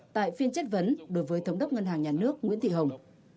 tại phiên chất vấn đối với thống đốc ngân hàng nhà nước nguyễn thị hồng